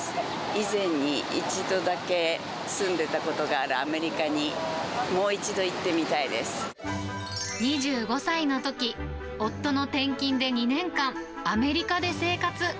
以前に一度だけ住んでたことがあるアメリカに、もう一度行ってみ２５歳のとき、夫の転勤で２年間、アメリカで生活。